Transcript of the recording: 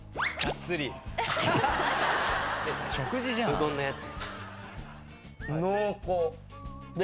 うどんのやつ。